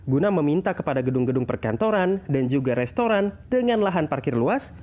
guna meminta kepada gedung gedung perkantoran dan juga restoran dengan lahan parkir luas